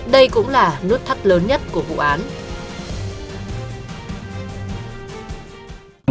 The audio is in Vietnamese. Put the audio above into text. đây cũng là nút thắt lớn nhất của vụ án